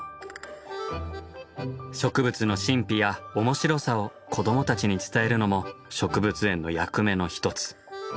植物の神秘やおもしろさを子どもたちに伝えるのも植物園の役目の一つ。